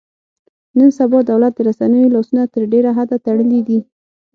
نن سبا دولت د رسنیو لاسونه تر ډېره حده تړلي دي.